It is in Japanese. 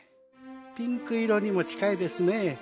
ピンクいろにもちかいですね。